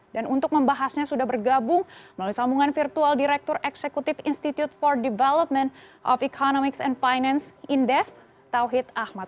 dan untuk membahasnya sudah bergabung melalui sambungan virtual director executive institute for development of economics and finance in depth tauhid ahmad